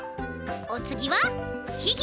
おつぎはひぎ